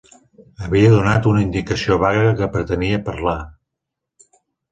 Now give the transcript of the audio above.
Havia donat una indicació vaga que pretenia parlar.